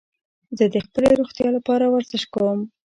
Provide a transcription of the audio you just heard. زه د خپلي روغتیا له پاره ورزش کوم.